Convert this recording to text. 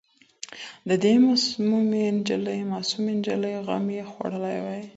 د دې معصومي نجلۍ غم یې خوړلی وای